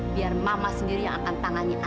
biar mama sendiri yang akan tangani